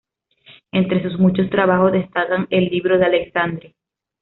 Entre sus muchos trabajos destacan "El libro de Alexandre.